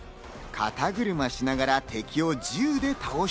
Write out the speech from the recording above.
肩車しながら敵をなぎ倒し。